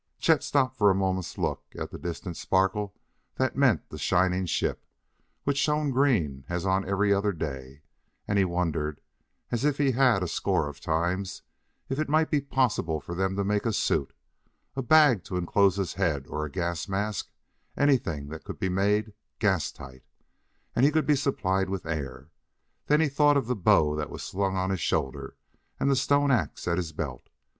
Chet stopped for a moment's look at the distant sparkle that meant the shining ship, which shone green as on every other day, and he wondered as he had a score of times if it might be possible for them to make a suit a bag to enclose his head, or a gas mask anything that could be made gas tight: and could be supplied with air. Then he thought of the bow that was slung on his shoulder and the stone ax at his belt.